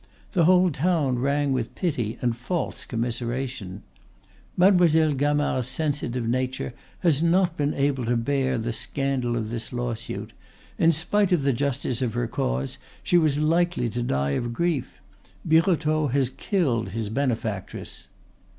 The whole town rang with pity and false commiseration: "Mademoiselle Gamard's sensitive nature has not been able to bear the scandal of this lawsuit. In spite of the justice of her cause she was likely to die of grief. Birotteau has killed his benefactress."